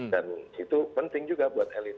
dan itu penting juga buat elit